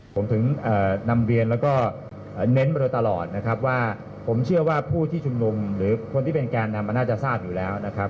ผมถึงนำเรียนแล้วก็เน้นมาโดยตลอดนะครับว่าผมเชื่อว่าผู้ที่ชุมนุมหรือคนที่เป็นแก่นำมันน่าจะทราบอยู่แล้วนะครับ